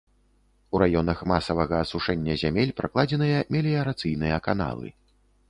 У раёнах масавага асушэння зямель пракладзеныя меліярацыйныя каналы.